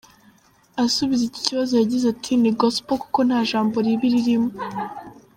Asubiza iki kibazo yagize ati "Ni Gospel kuko nta jambo ribi ririmo.